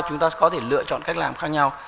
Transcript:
chúng ta có thể lựa chọn cách làm khác nhau